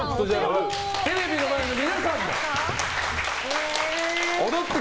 テレビの前の皆さんも踊って。